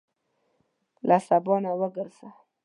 له سبا نه وګرځه.